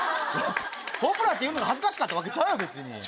ポプラって言うのが恥ずかしかったわけちゃうよ別に。